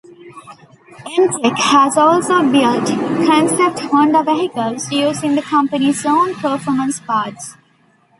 M-Tec has also built concept Honda vehicles, using the company's own performance parts.